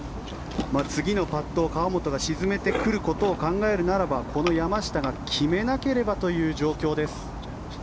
次のパットを河本が沈めてくることを考えるならばこの山下が決めなければという状況です。